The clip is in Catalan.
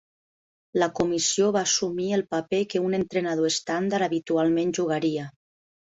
La Comissió va assumir el paper que un entrenador estàndard habitualment jugaria.